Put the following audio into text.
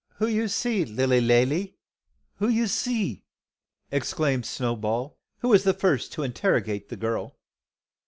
"Who you see, Lilly Lally? Who you see?" exclaimed Snowball, who was the first to interrogate the girl.